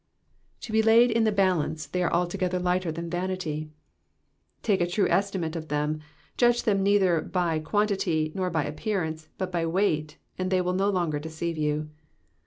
^^To he laid in the balance, they are altogether lighter than vanity,'*'* Take a true estimate of them ; judge them neither by quantity nor by appearance, but by weight, and they will uo longer deceive you.